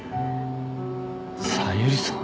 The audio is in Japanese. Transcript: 小百合さん。